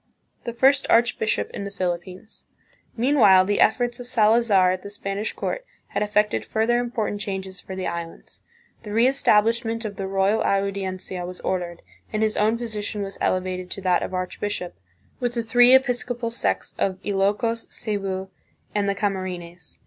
The First Archbishop in the Philippines. Meanwhile the efforts of Salazar at the Spanish court had effected further important changes for the Islands. The reestab lishment of the Royal Audiencia was ordered, and his own position was elevated to that of archbishop, with the three episcopal sees of Ilokos, Cebu, and the Camarines.